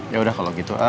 yaudah kalau gitu